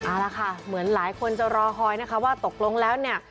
เอาละค่ะเหมือนหลายคนจะรอคอยนะคะว่าตกลงแล้วเนี่ย